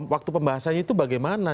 waktu pembahasannya itu bagaimana